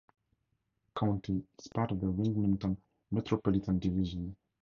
Salem County is part of the Wilmington metropolitan division.